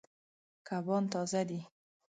کبان تازه دي.